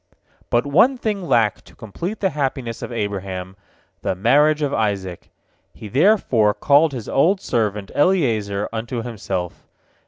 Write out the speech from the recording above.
But one thing lacked to complete the happiness of Abraham, the marriage of Isaac. He therefore called his old servant Eliezer unto himself.